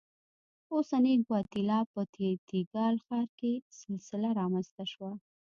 په اوسنۍ ګواتیلا په تیکال ښار کې سلسله رامنځته شوه.